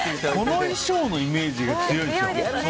この衣装のイメージが強いですよね。